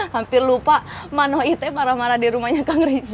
hampir lupa mano it marah marah di rumahnya kang riza